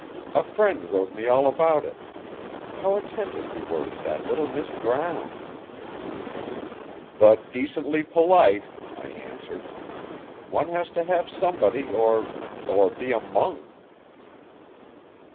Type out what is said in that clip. A friend wrote me all about it. How attentive you were to that little Miss Brown! 'But decently polite,' I answered. 'One has to have somebody or or be a monk.